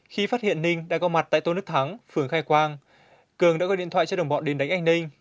khi phát hiện ninh đã có mặt tại tôn đức thắng phường khai quang cường đã gọi điện thoại cho đồng bọn đến đánh anh ninh